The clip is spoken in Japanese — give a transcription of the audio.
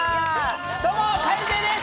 どうも、蛙亭です！